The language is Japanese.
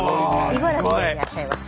茨城でいらっしゃいます。